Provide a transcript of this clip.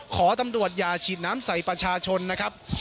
ขอตำรวจอย่าฉีดน้ำใส่ประชาชนนะครับ